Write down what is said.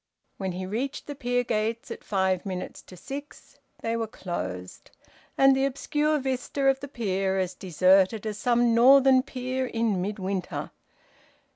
When he reached the pier gates at five minutes to six, they were closed, and the obscure vista of the pier as deserted as some northern pier in mid winter.